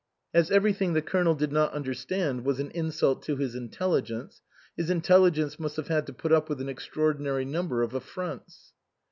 As everything the Colonel did not understand was an insult to his intelligence, his intelligence must have had to put up with an extraordinary number of affronts.